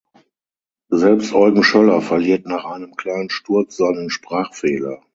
Selbst Eugen Schöller verliert nach einem kleinen Sturz seinen Sprachfehler.